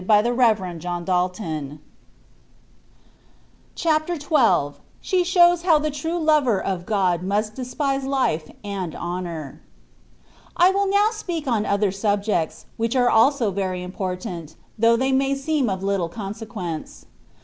66 THE WAY OF PEKFECTIOIT. CHAPTER XII. SHI 8H0WB HOW THE TRUE LOVER OF GOD MUffT DESPiaE LIFS AND HONOUR. I WILL now speak on other subjects, which are also very important, though they may seem of little consequence.